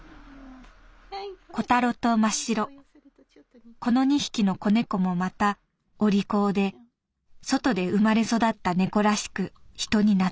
「コタロとマシロこの２匹の子猫もまたお利口で外で生まれ育った猫らしく人に懐かない」。